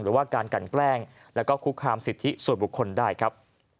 หรือว่าการกันแกล้งแล้วก็คุกคามสิทธิส่วนบุคคลได้ครับ